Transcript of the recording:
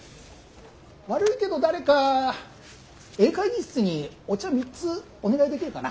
悪いけど誰かＡ会議室にお茶３つお願いできるかな。